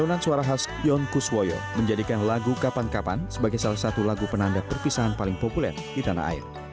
perunan suara khas yon kuswoyo menjadikan lagu kapan kapan sebagai salah satu lagu penanda perpisahan paling populer di tanah air